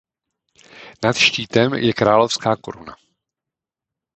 Nad štítem je královská koruna.